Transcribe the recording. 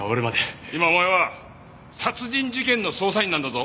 今お前は殺人事件の捜査員なんだぞ！